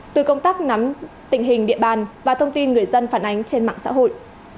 từ công tác nắm tình hình địa bàn và thông tin người dân phản ánh trên mạng xã hội